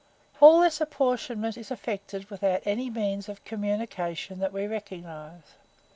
"All this apportionment is effected without any means of communication that we recognize.